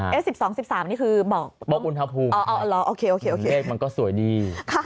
เอ๊ะ๑๒๑๓นี่คือเหมาะโปรคุณทภูมิค่ะมันก็สวยดี